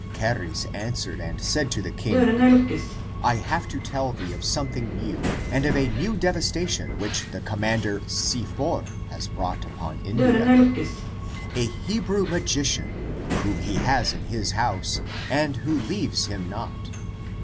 Charis answered and said to the king, " I have to tell thee of something new, and of a new devastation which the com mander Sifor has brought upon India: a Hebrew magician whom he has in his house and who leaves him not.